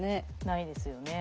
ないですよね。